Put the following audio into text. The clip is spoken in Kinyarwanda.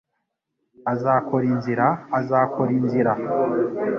Azakora inzira azakora inzira